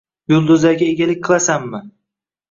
— Yulduzlarga egalik qilasanmi?